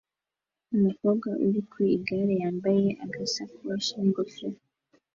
Umukobwa uri ku igare yambaye agasakoshi n'ingofero